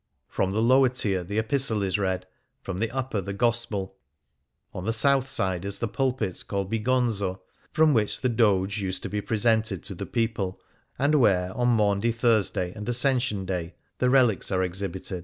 From the lower tier the Epistle is read ; from the upper the Gospel. On the south side is the pulpit called " Bigonzo,"" *from which the Doge used to be presented to the people, and where, on Maundy Thursday and Ascension Day, the relics are exhibited.